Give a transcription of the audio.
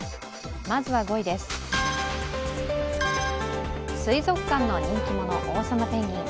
まずは５位です、水族館の人気者オウサマペンギン。